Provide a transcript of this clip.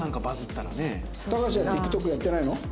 たかしはＴｉｋＴｏｋやってないの？